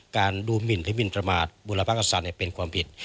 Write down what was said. ดูหมินหรือหมินประมาทบุรพกษัตริย์เป็นความผิด